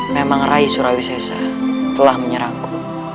memang rai surawisesa telah menyerangku